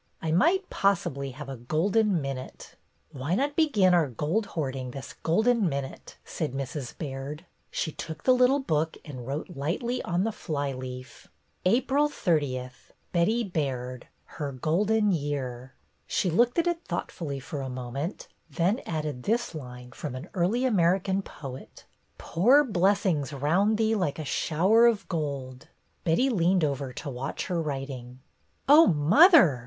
"I might possibly have a Golden Minute." ''Why not begin our Gold hoarding this Golden Minute?" said Mrs. Baird. She took the little book and wrote lightly on the fly leaf :" April thirtieth. Betty Baird: her Golden Year." She looked at it thoughtfully for a moment, then added this line from an early American poet: "Pour blessings round thee like a shower of gold!" Betty leaned over to watch her writing. "Oh, mother!"